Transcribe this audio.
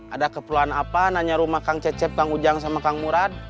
ada keperluan apa nanya rumah kang cecep kang ujang sama kang murad